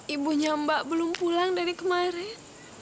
ibunya mbak belum pulang dari kemarin